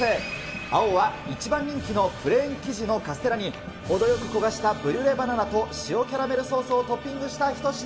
青は一番人気のプレーン生地のカステラに、程よく焦がしたブリュレバナナと塩キャラメルソースをトッピングした一品。